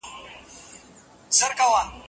که نجونې درس ولولي نو میکروبونه به نه خپریږي.